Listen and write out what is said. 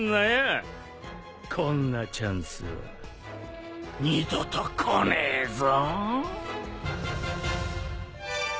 こんなチャンスは二度と来ねえぞ。